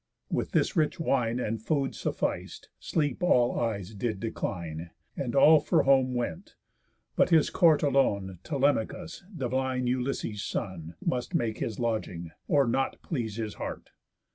With this rich wine And food suffic'd, sleep all eyes did decline, And all for home went; but his court alone Telemachus, divine Ulysses' son, Must make his lodging, or not please his heart.